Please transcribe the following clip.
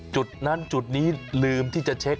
จุดนั้นจุดนี้ลืมที่จะเช็ค